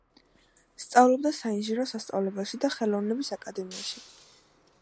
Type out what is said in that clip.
სწავლობდა საინჟინრო სასწავლებელში და ხელოვნების აკადემიაში.